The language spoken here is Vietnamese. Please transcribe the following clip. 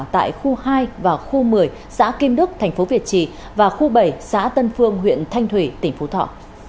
tại khu hai và khu một mươi xã kim đức thành phố việt trì và khu bảy xã tân phương huyện thanh thủy tỉnh phú thọ